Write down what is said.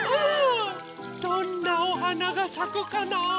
どんなおはながさくかな。